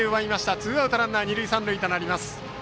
ツーアウトランナー、二塁三塁となります。